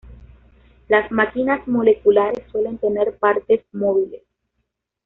Las máquinas moleculares suelen tener partes móviles.